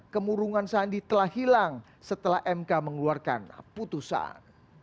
kemurungan sandi telah hilang setelah mk mengeluarkan putusan